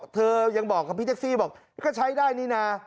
เธอยังบอกกับพี่แท็กซี่บอกก็ใช้ได้นี่นะ